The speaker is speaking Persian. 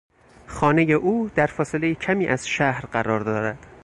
خانهی او در فاصلهی کمی از شهر قرار دارد.